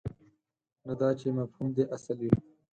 نه دا چې مفهوم دې اصل وي.